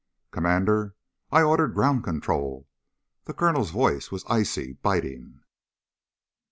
"Commander, I ordered ground control." The Colonel's voice was icy, biting.